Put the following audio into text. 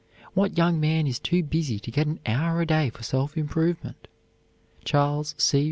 What young man is too busy to get an hour a day for self improvement? Charles C.